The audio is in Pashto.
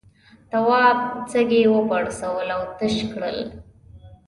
تواب سږي وپرسول او تش کړل.